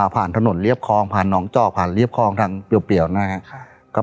ถนนเรียบคลองผ่านหนองเจาะผ่านเรียบคลองทางเปรียวนะครับ